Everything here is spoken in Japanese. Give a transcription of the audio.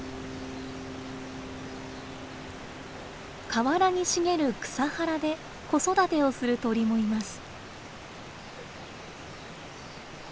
河原に茂る草原で子育てをする鳥もいます。